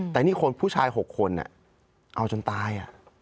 แต่นี่คนผู้ชาย๖คนเอาจนตาย